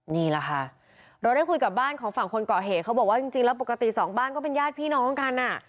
นี่แหละค่ะเราได้คุยกับบ้านของฝั่งคนเกาะเหตุเขาบอกว่าจริงแล้วปกติสองบ้านก็เป็นญาติพี่น้องกันอ่ะ